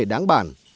vấn đề đáng bản